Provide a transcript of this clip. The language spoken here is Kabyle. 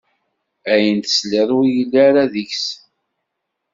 Ayen tesliḍ ur yelli ara deg-s!